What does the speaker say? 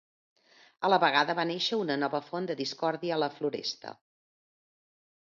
A la vegada va néixer una nova font de discòrdia a la Floresta.